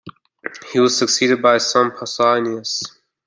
He was succeeded by his son Pausanias.